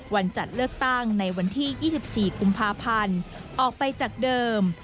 จัดเลือกตั้งในวันที่๒๔กุมภาพันธ์ออกไปจากเดิม